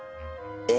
え！